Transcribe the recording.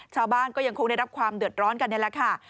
ชาวบ้านก็ยังคงได้รับความเดือดร้อนกันนี่แหละค่ะ